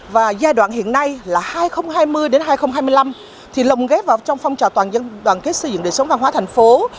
và giai đoạn hiện nay là hai nghìn hai mươi hai nghìn hai mươi năm thì lồng ghép vào trong phong trào toàn dân đoàn kết xây dựng đời sống văn hóa thành phố